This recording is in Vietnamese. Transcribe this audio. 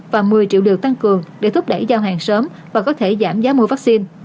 và một mươi triệu điều tăng cường để thúc đẩy giao hàng sớm và có thể giảm giá mua vaccine